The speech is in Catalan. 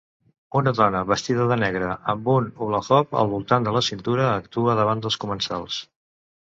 Una dona vestida de negre amb un "hula hoop" al voltant de la cintura actua davant dels comensals